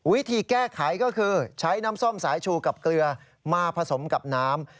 วิธีแก้ไขก็คือใช้น้ำส้มสายชูกับเกลือมาผสมกับน้ำ